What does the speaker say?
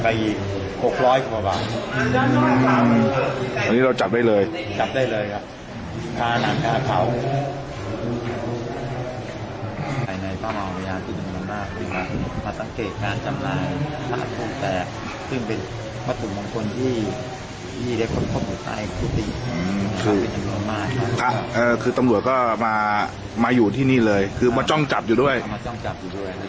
อาทิตย์กลุ่มจอดฟิตและแท็บรูปหน้าไว้ที่จอโทรศัพท์แล้วก็แจ้งพนักงานศัตรูขอให้ควบคุมดูแลว่าทางเกณฑ์หรือว่ามีใครมีพฤติกรรมที่ต้องจ้องถูกรองเท้า